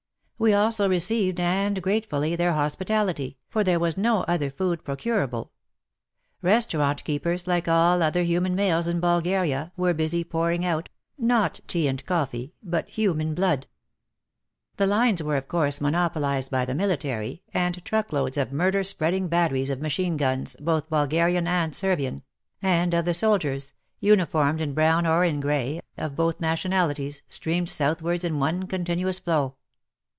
We also received, and grate fully, their hospitality, for there was no other food procurable. Restaurant keepers, like all other human males in Bulgaria, were busy pouring out, not tea and coffee, but human blood. The lines were, of course, monopolized by the military, and truck loads of murder spreading batteries of machine guns, both Bulgarian and Servian, and of the soldiers — uniformed in brown or in grey — of both nationalities, streamed south wards in one continuous flow.